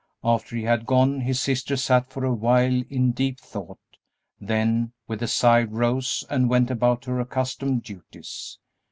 After he had gone his sister sat for a while in deep thought, then, with a sigh, rose and went about her accustomed duties.